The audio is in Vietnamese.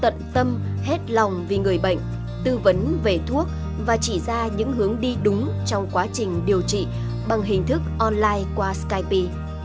vị bác sĩ luôn tận tâm hết lòng vì người bệnh tư vấn về thuốc và chỉ ra những hướng đi đúng trong quá trình điều trị bằng hình thức online qua skype